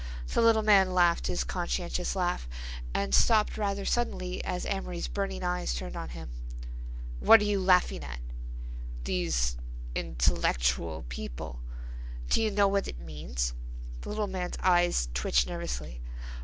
The little man laughed his conscientious laugh, and stopped rather suddenly as Amory's burning eyes turned on him. "What are you laughing at?" "These intellectual people—" "Do you know what it means?" The little man's eyes twitched nervously.